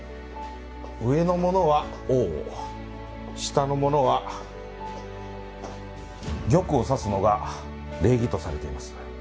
上の者は王を下の者は玉を指すのが礼儀とされています。